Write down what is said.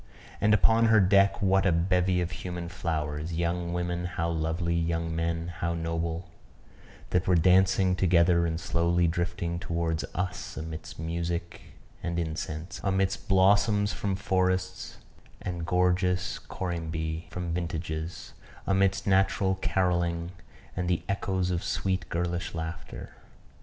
And upon her deck what a bevy of human flowers young women how lovely, young men how noble, that were dancing together, and slowly drifting towards us amidst music and incense, amidst blossoms from forests and gorgeous corymbi from vintages, amidst natural caroling and the echoes of sweet girlish laughter.